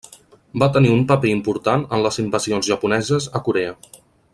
Va tenir un paper important en les invasions japoneses a Corea.